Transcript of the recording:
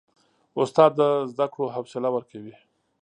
استاد د زده کړو حوصله ورکوي.